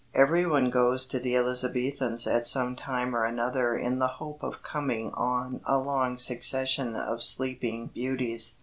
Everyone goes to the Elizabethans at some time or another in the hope of coming on a long succession of sleeping beauties.